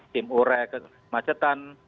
tim urek macetan